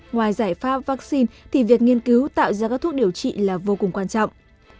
ngoài giải pháp vaccine thì việc nghiên cứu tạo ra các thuốc điều trị là vô cùng quan trọng